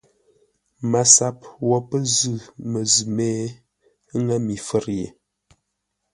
MASAP wo pə́ zʉ̂ məzʉ̂ mé, ə́ ŋə́ mi fə̌r ye.